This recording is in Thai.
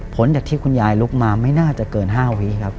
จากที่คุณยายลุกมาไม่น่าจะเกิน๕วิครับ